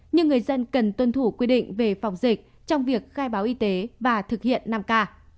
nhưng người dân cần tuân thủ quy định về phòng dịch trong việc khai báo y tế và thực hiện năm k